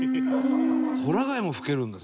「ホラ貝も吹けるんだ。